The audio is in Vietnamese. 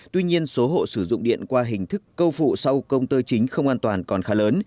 tuy nhiên số hộ sử dụng điện qua hình thức câu phụ sau công tơ chính không an toàn còn khá lớn